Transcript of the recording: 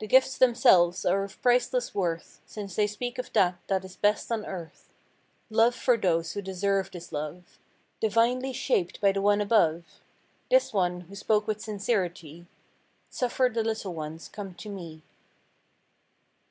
The gifts themselves are of priceless worth, Since they speak of that that is best on earth: Love for those who deserve this love! Divinely shaped by the One above. This One who spoke with sincerity: "Suffer the little ones come to Me."